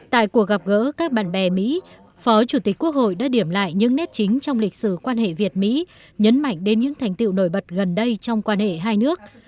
tại cuộc gặp gỡ các bạn bè mỹ phó chủ tịch quốc hội đã điểm lại những nét chính trong lịch sử quan hệ việt mỹ nhấn mạnh đến những thành tiệu nổi bật gần đây trong quan hệ hai nước